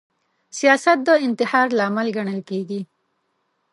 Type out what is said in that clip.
سیاست د انتحار لامل ګڼل کیږي